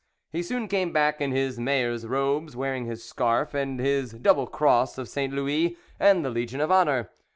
He soon came back in his mayor's robes, wearing his scarf and his double cross of St. Louis and the Legion of Honour.